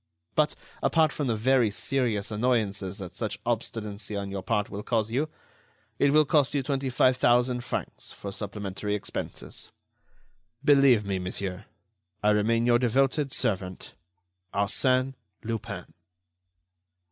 But, apart from the very serious annoyances that such obstinacy on your part will cause you, it will cost you twenty five thousand francs for supplementary expenses. "Believe me, monsieur, I remain your devoted servant, ARSÈNE LUPIN."